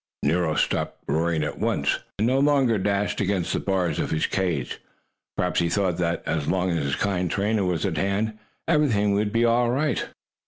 Nero stopped roaring at once, and no longer dashed against the bars of his cage. Perhaps he thought that, as long as his kind trainer was at hand, everything would be all right.